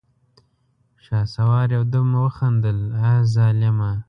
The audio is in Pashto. شهسوار يودم وخندل: اه ظالمه!